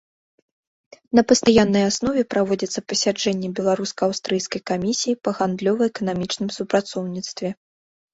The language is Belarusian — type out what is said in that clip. На пастаяннай аснове праводзяцца пасяджэнні беларуска-аўстрыйскай камісіі па гандлёва-эканамічным супрацоўніцтве.